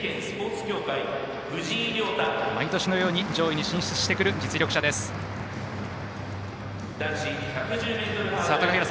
毎年のように上位に進出してくる実力者です、藤井亮汰。